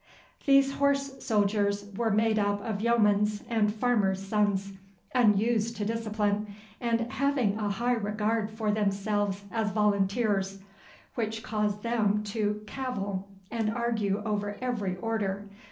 These horse soldiers were made up of yeomen's and farmers' sons, unused to discipline, and having a high regard for themselves as volunteers, which caused them to cavil and argue over every order.